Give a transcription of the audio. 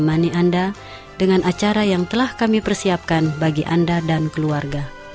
menemani anda dengan acara yang telah kami persiapkan bagi anda dan keluarga